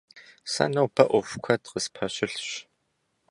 Сэ нобэ ӏуэху куэд къыспэщылъщ.